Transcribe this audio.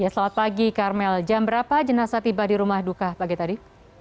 selamat pagi karmel jam berapa jenasa tiba di rumah duka pagi tadi